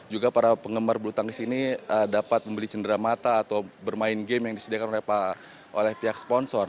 juga para penggemar bulu tangkis ini dapat membeli cendera mata atau bermain game yang disediakan oleh pihak sponsor